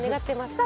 さあ